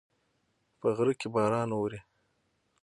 په غره کې باران اوري